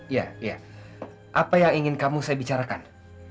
ya apa yang ingin kamu saya bicarakan